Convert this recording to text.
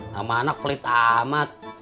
sama anak pelit amat